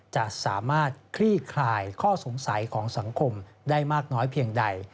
จะสามารถคลี่คลายข้อสงสัยของสังคมได้มากน้อยเพียงใด